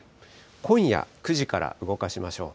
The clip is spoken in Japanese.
今夜９時から動かしましょう。